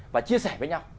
và chia sẻ với nhau